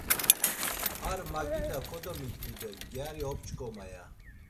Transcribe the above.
Ar magida kodomidgi do gyari op̌ç̌ǩoma ya.